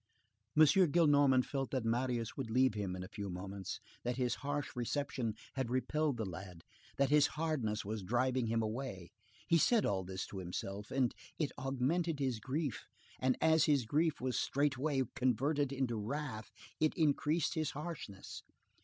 M. Gillenormand felt that Marius would leave him in a few moments, that his harsh reception had repelled the lad, that his hardness was driving him away; he said all this to himself, and it augmented his grief; and as his grief was straightway converted into wrath, it increased his harshness.